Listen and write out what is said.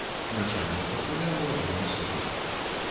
Начальнік патруля у адной асобе.